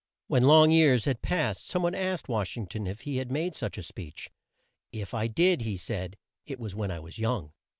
When long years had passed, some one asked Wash ing ton if he had made such a speech. "If I did," said he, "it was when I was young."